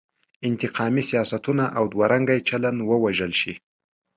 انتقامي سیاستونه او دوه رنګی چلن ووژل شي.